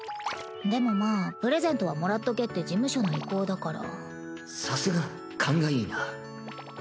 でもまあプレゼントはもらっとけって事務所の意向だから。